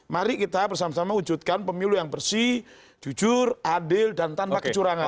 mari kita bersama sama wujudkan pemilu yang bersih jujur adil dan tanpa kecurangan